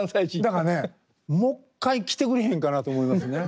だからねもう一回来てくれへんかなと思いますね。